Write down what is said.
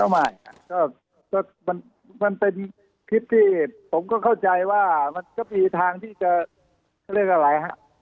ไม่ค่ะมันเป็นคลิปที่ผมเข้าใจว่ามันจะมีทางที่จะเรียกว่าอะไร